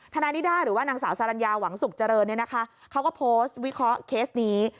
ทนายนิด้าหรือว่านางสาวสารัญญาหวังสุขเจริญเนี่ยนะคะเขาก็โพสต์วิเคราะห์เคสนี้